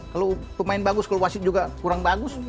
kalau pemain bagus kalau wasit juga kurang bagus